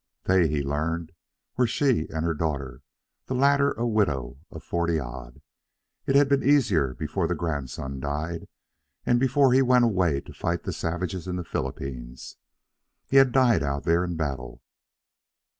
"They," he learned, were she and her daughter, the latter a widow of forty odd. It had been easier before the grandson died and before he went away to fight savages in the Philippines. He had died out there in battle.